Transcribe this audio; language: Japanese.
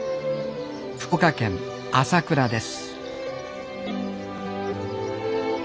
福岡県朝倉です。